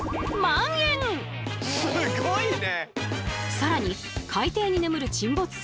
更に海底に眠る沈没船